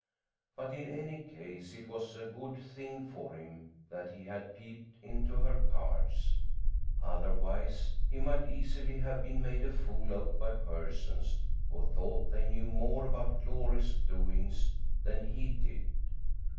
But, in any case, it was a good thing for him that he had peeped into her cards. Otherwise he might easily have been made a fool of by persons who thought they knew more about Glory's doings than he did.